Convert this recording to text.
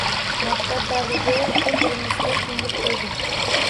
Maktab davridayoq bir-birimizga ko'ngil qo'ydik